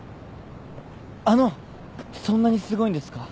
あのそんなにすごいんですか？